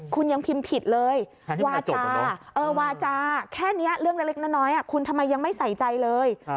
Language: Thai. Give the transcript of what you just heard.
คุณยังพิมพ์ผิดเลยวาจาวาจาแค่นี้เรื่องเล็กน้อยคุณทำไมยังไม่ใส่ใจเลย